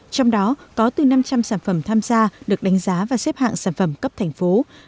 trong đó có từ năm trăm linh sản phẩm tham gia được đánh giá và xếp hạng sản phẩm cấp thành phố